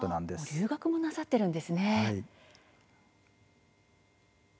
留学もなさっているんですね。